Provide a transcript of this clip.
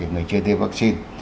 người chưa thêm vaccine